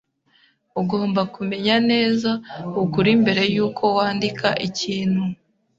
Ugomba kumenya neza ukuri mbere yuko wandika ikintu.